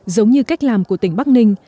giống như cách làm của tỉnh bắc ninh